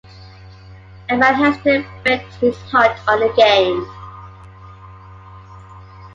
A man has to bet his heart on the game.